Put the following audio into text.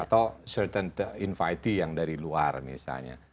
atau certain infeity yang dari luar misalnya